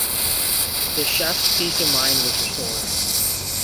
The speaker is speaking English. The chef's peace of mind was restored.